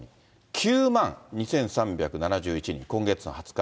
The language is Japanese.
９万２３７１人、今月の２０日。